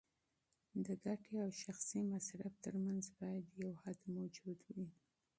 د ګټې او شخصي مصرف ترمنځ باید یو حد موجود وي.